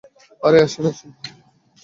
আরে, আসেন আসেন!